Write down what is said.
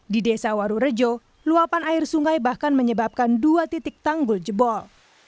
di desa warurejo luapan air sungai bahkan menyebabkan dua titik tanggul jebol